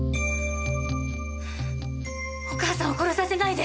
お義母さんを殺させないで。